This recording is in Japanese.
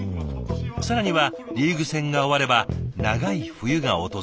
更にはリーグ戦が終われば長い冬が訪れる。